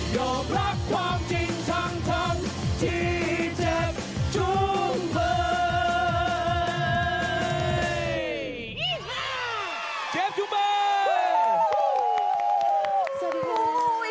ยอมรับความจริงทางทั้งที่เจ็บถุงใบ